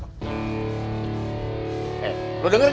eh lu denger gak